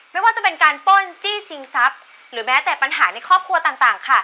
ไม่ว่าจะเป็นการป้นจี้ชิงทรัพย์หรือแม้แต่ปัญหาในครอบครัวต่างค่ะ